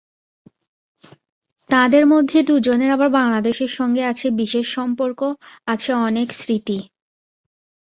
তাঁদের মধ্যে দুজনের আবার বাংলাদেশের সঙ্গে আছে বিশেষ সম্পর্ক, আছে অনেক স্মৃতি।